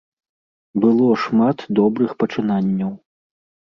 Было шмат добрых пачынанняў.